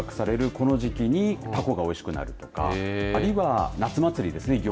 この時期にたこがおいしくなるとかあるいは夏祭りですね